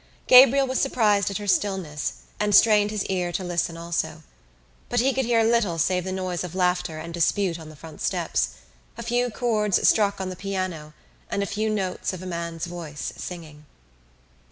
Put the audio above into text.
Gabriel was surprised at her stillness and strained his ear to listen also. But he could hear little save the noise of laughter and dispute on the front steps, a few chords struck on the piano and a few notes of a man's voice singing.